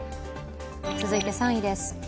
続いて３位です。